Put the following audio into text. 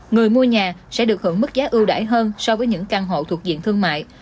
người mua nhà sẽ được hưởng mức giá ưu đải hơn so với những căn hộ thuộc diện thương mại